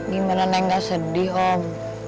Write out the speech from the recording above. gimana yang gak sedih om